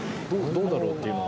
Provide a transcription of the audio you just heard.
どうだろうっていうのは？